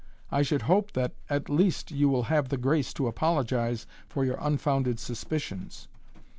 I should hope that, at least, you will have the grace to apologize for your unfounded suspicions."